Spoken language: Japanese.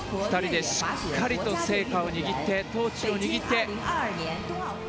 ２人でしっかりと聖火を握って、トーチを握って。